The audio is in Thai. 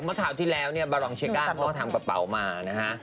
เมื่อคราวที่แล้วบลองซีก้าเขาทำกระเป๋ามานะฮะ